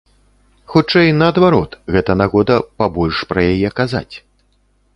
Хутчэй, наадварот, гэта нагода пабольш пра яе казаць.